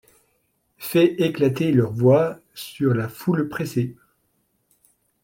Fais éclater leur voix sur la foule pressée ;